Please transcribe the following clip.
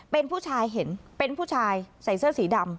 เป็นผู้ชายเห็นเป็นผู้ชายใส่เสื้อสีดำ